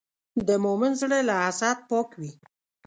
د مؤمن زړه له حسد پاک وي.